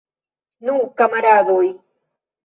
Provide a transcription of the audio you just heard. Nu, kamaradoj!